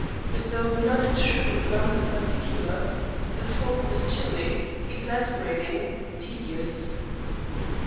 Though not a true "London particular," the fog was chilly, exasperating, tedious.